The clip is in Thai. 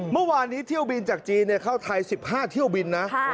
เมื่อวานนี้เที่ยวบินจากจีนเข้าไทย๑๕เที่ยวบินนะ